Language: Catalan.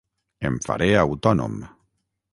Em faré autònom.